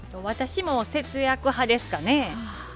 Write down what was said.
私も節約派ですかね。